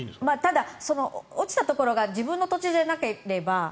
ただ、落ちたところが自分の土地じゃなければ。